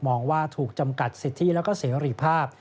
มองว่าถูกจำกัดสิทธิและเสรีภาพ